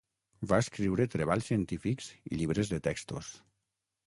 Va escriure treballs científics i llibres de textos.